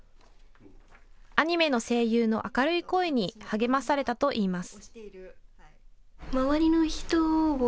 アニメの声優の明るい声に励まされたといいます。